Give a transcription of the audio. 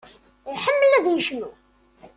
Iḥemmel ad yecnu.